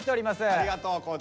ありがとう地。